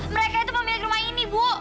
mereka itu pemilik rumah ini bu